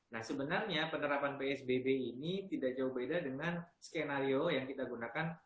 nah sebenarnya penerapan psbb ini tidak jauh beda dengan skenario yang kita gunakan